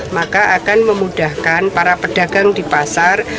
maka akan memudahkan para pedagang di pasar